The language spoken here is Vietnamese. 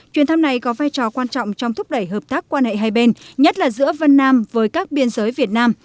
chuyến thăm này có vai trò quan trọng trong thúc đẩy hợp tác quan hệ hai bên nhất là giữa vân nam với các biên giới việt nam